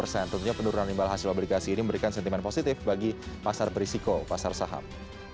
tentunya penurunan imbal hasil obligasi ini memberikan sentimen positif bagi pasar berisiko pasar saham